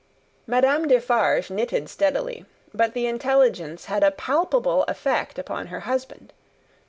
Madame Defarge knitted steadily, but the intelligence had a palpable effect upon her husband.